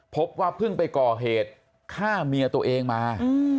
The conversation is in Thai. พบว่าเพิ่งไปก่อเหตุฆ่าเมียตัวเองมา